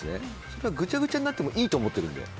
それは、ぐちゃぐちゃになってもいいと思ってるんで。